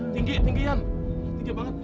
tinggi tinggi ian tinggi banget